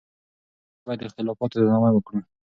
موږ باید د اختلافاتو درناوی وکړو.